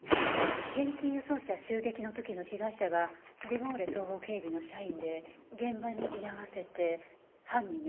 現金輸送車襲撃の時の被害者がビゴーレ総合警備の社員で現場に居合わせて犯人に襲われて。